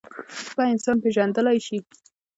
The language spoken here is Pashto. سپي انسان پېژندلی شي.